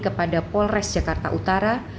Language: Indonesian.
kepada polres jakarta utara